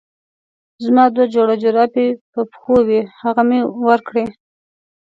زما دوه جوړه جرابې په پښو وې هغه مې ورکړې.